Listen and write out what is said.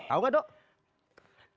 tau gak dong